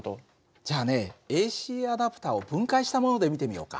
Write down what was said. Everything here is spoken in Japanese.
じゃあねＡＣアダプターを分解したもので見てみようか。